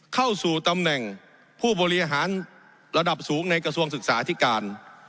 เข้าสู่ตำแหน่งผู้บริหารระดับสูงในกระทรวงศึกษาที่การ